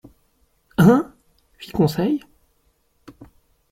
—Hein ? fit Conseil.